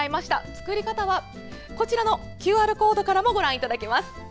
作り方は画面右上のＱＲコードからもご覧いただけます。